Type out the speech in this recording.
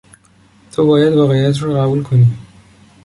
تو باید واقعیت را قبول کنی.